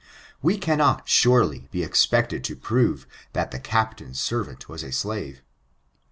We cannot, surely, be expected to prove that the captain's servant was a slave.